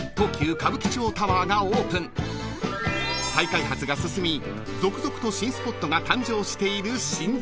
［再開発が進み続々と新スポットが誕生している新宿］